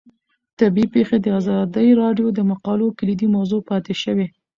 طبیعي پېښې د ازادي راډیو د مقالو کلیدي موضوع پاتې شوی.